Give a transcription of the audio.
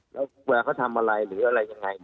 แล้วเวลาเขาทำอะไรอย่างไร